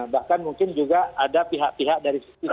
bahkan mungkin juga ada pihak pihak dari social society